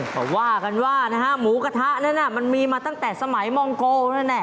เขาว่ากันว่านะฮะหมูกระทะนั้นมันมีมาตั้งแต่สมัยมองโกนั่นแหละ